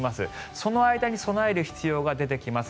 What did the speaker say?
その間に備える必要が出てきます。